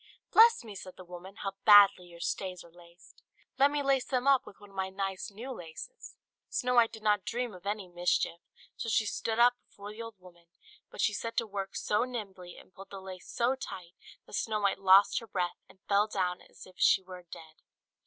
"Bless me!" said the woman, "how badly your stays are laced. Let me lace them up with one of my nice new laces." Snow White did not dream of any mischief; so she stood up before the old woman; but she set to work so nimbly, and pulled the lace so tight, that Snow White lost her breath, and fell down as if she were dead.